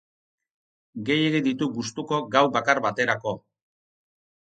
Gehiegi ditut gustuko gau bakar baterako.